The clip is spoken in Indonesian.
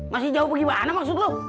masih jauh apa gimana maksud lo